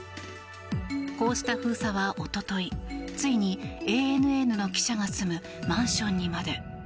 こうした封鎖は一昨日ついにＡＮＮの記者が住むマンションにまで。